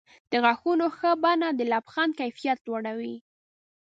د غاښونو ښه بڼه د لبخند کیفیت لوړوي.